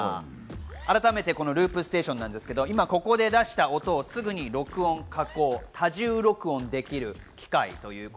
改めてループステーションですが、今ここで出した音をすぐに録音、加工、多重録音できる機械です。